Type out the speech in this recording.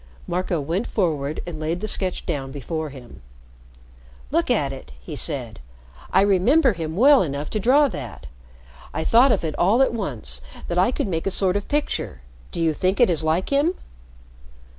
Marco went forward and laid the sketch down before him. "Look at it," he said. "I remember him well enough to draw that. I thought of it all at once that I could make a sort of picture. Do you think it is like him?"